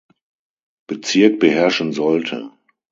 Bezirk beherrschen sollte.